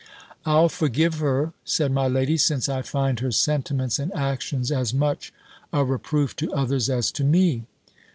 "I'll forgive her," said my lady, "since I find her sentiments and actions as much a reproof to others as to me."